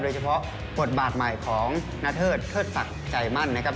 เฉพาะบทบาทใหม่ของนาเทิดเทิดศักดิ์ใจมั่นนะครับ